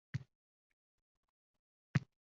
Quyosh nuridan saqlovchi kremdan foydalan!